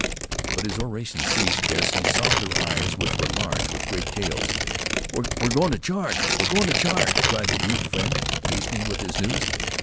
But his oration ceased as he saw their eyes, which were large with great tales. "We're goin' t' charge we're goin' t' charge!" cried the youth's friend, hastening with his news.